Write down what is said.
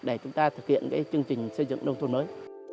xây dựng nông thôn mới